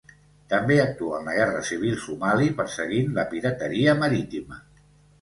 També actua en la guerra civil somali perseguint la pirateria marítima.